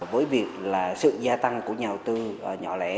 với việc là sự gia tăng của nhà đầu tư nhỏ lẻ